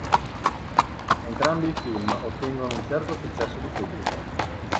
Entrambi i film ottengono un certo successo di pubblico.